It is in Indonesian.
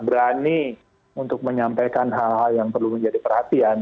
berani untuk menyampaikan hal hal yang perlu menjadi perhatian